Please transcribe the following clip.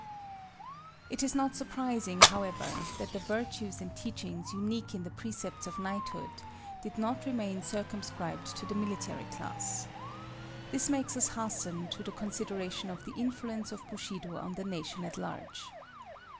] It is not surprising, however, that the virtues and teachings unique in the Precepts of Knighthood did not remain circumscribed to the military class. This makes us hasten to the consideration of THE INFLUENCE OF BUSHIDO on the nation at large.